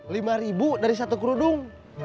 lima ribu dari satu kerudung